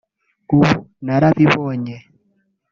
ubu narabibonye